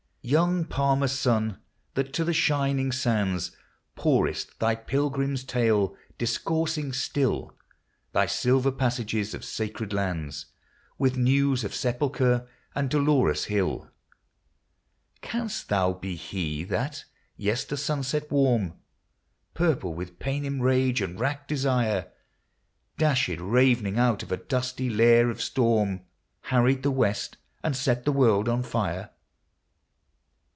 Young palmer sun, that to the shining sands Pourest thy pilgrim's tale, discoursing still Thy silver passages of sacred lands, With news of Sepulchre and Dolorous Hill, Canst thou be he that, Yester Sunset warm, Purple with Paynim rage and wrack desire, Dashed ravening out of a dusty lair of storm, Harried the west, and set the world on fire?